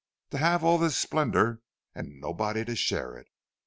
To have all this splendour, and nobody to share it!